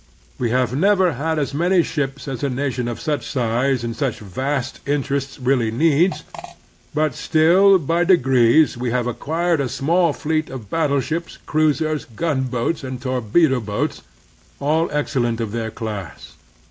We have never had as many ships as a nation of such size and such vast interests really needs ; but still by degrees we have acquired a small fleet of battleships, cruisers, gun boats, and torpedo boats, all excellent of their class.